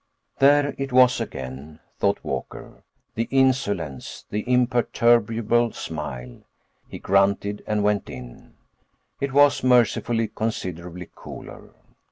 There it was again, thought Walker; the insolence, the imperturbable smile. He grunted and went in; it was, mercifully, considerably cooler.